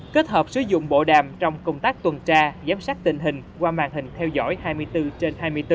kết hợp sử dụng bộ đàm trong công tác tuần tra giám sát tình hình qua màn hình theo dõi hai mươi bốn trên hai mươi bốn